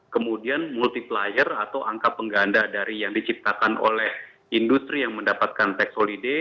kemudian multiplier atau angka pengganda dari yang diciptakan oleh industri yang mendapatkan tax holiday